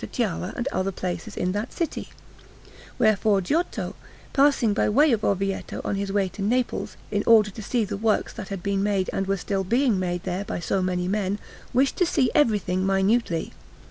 Chiara and other places in that city; wherefore Giotto, passing by way of Orvieto on his way to Naples, in order to see the works that had been made and were still being made there by so many men, wished to see everything minutely.